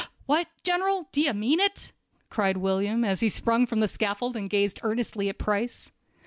"What, General? Do you mean it?" cried William, as he sprung from the scaffold and gazed earnestly at Price.